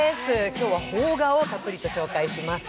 今日は邦画をたっぷりと紹介します。